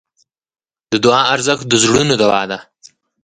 د دعا ارزښت د زړونو دوا ده.